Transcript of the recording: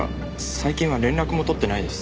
最近は連絡も取ってないです。